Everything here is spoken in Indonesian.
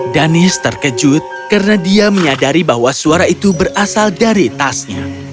danis terkejut karena dia menyadari bahwa suara itu berasal dari tasnya